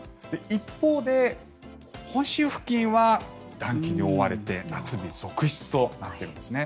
一方で本州付近は暖気に覆われて夏日続出となっているんです。